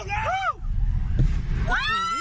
โอ้โห